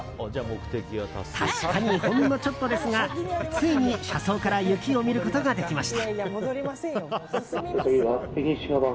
確かに、ほんのちょっとですがついに車窓から雪を見ることができました。